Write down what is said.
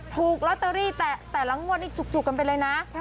ถูกลอตเตอรี่แต่ละงวดนี่จุกกันไปเลยนะ